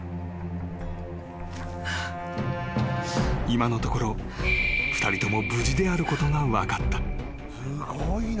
☎［今のところ２人とも無事であることが分かった］